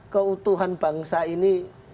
keutuhan bangsa ini